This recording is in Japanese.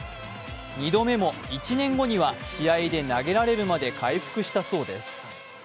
２度目も１年後には試合で投げられるまで回復したそうです。